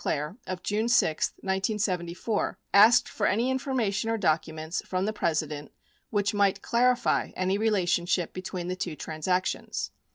Clair of June 6, 1974, asked for any information or documents from the President which might clarify any relationship between the two transactions.